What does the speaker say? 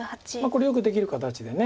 これよくできる形で。